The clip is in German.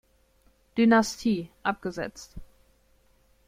Dynastie, abgesetzt.